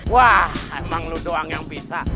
wah emang lu doang yang bisa